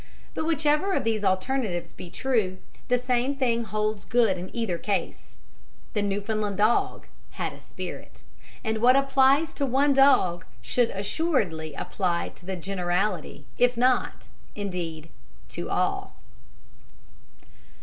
But whichever of these alternatives be true, the same thing holds good in either case, viz. that the Newfoundland dog had a spirit and what applies to one dog should assuredly apply to the generality, if not, indeed, to all.